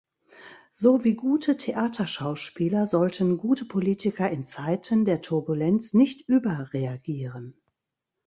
So wie gute Theaterschauspieler sollten gute Politiker in Zeiten der Turbulenz nicht überreagieren.